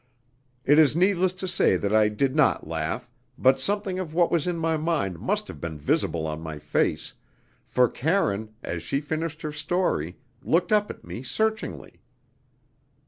It is needless to say that I did not laugh, but something of what was in my mind must have been visible on my face, for Karine, as she finished her story, looked up at me searchingly.